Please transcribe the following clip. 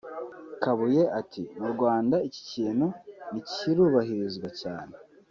Kabuye ati “Mu Rwanda iki kintu ntikirubahirizwa cyane